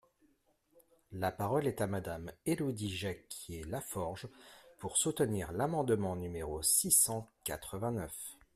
La parole est à Madame Élodie Jacquier-Laforge, pour soutenir l’amendement numéro six cent quatre-vingt-neuf.